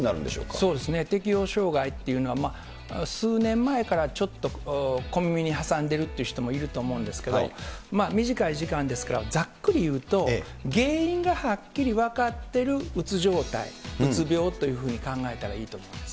そうですね、適応障害というのは、数年前からちょっと小耳に挟んでるっていう人もいると思うんですけど、短い時間ですから、ざっくり言うと、原因がはっきり分かってるうつ状態、うつ病っていうふうに考えたらいいと思います。